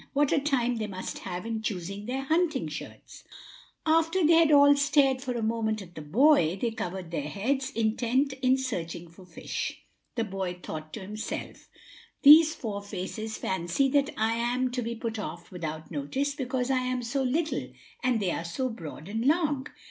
What a time they must have in choosing their hunting shirts!" After they had all stared for a moment at the boy, they covered their heads, intent in searching for fish. The boy thought to himself: "These four faces fancy that I am to be put off without notice because I am so little and they are so broad and long.